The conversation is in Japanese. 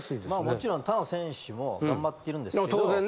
もちろん他の選手も頑張っているんですけど当然。